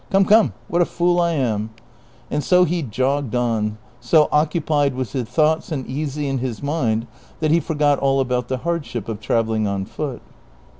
Come, come, what a fool I am !"^ And so he jogged on, so occupied with his thoughts and easy in his mind that he forgot all about the hardship of travelling on foot.